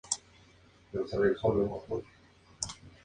Además, es la mayor pieza de hierro natural encontrada sobre la Tierra.